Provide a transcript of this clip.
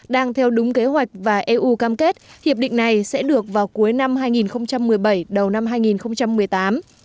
đang theo đúng kế hoạch và eu cam kết hiệp định này sẽ được vào cuối năm hai nghìn một mươi bảy đầu năm hai nghìn một mươi tám